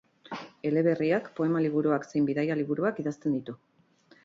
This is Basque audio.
Eleberriak, poema-liburuak zein bidaia-liburuak idazten ditu.